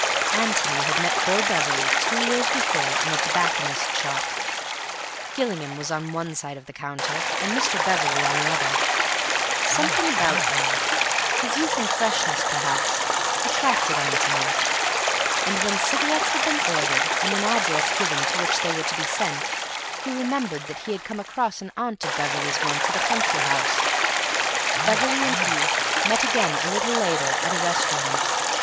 Antony had met Bill Beverley two years before in a tobacconist's shop. Gillingham was on one side of the counter and Mr. Beverley on the other. Something about Bill, his youth and freshness, perhaps, attracted Antony; and when cigarettes had been ordered, and an address given to which they were to be sent, he remembered that he had come across an aunt of Beverley's once at a country house. Beverley and he met again a little later at a restaurant.